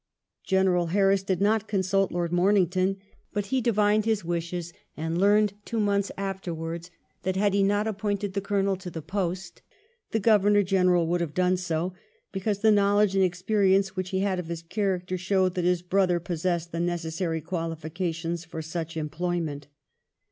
General Harris did not consult Lord Momington, but he divined his wishes, and learned two months afterwards that had he not ap pointed the Colonel to the post^ the Governor General would have done so, because the knowledge and experi ence which he had of his character showed that his brother possessed the necessary qualifications for such employment.